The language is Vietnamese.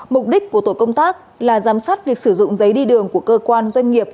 mục đích của tổ công tác là giám sát việc sử dụng giấy đi đường của cơ quan doanh nghiệp